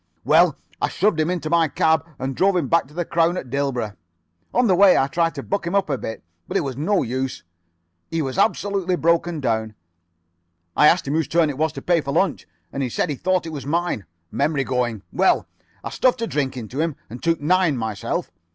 "Well, I shoved him into my cab, and drove back to the 'Crown' at Dilborough. On the way I tried to buck him up a bit, but it was no use. He was absolutely broken down. I asked him whose turn it was to pay for lunch, and he said he thought it was mine. Memory going. Well, I stuffed a drink into him and took nine myself.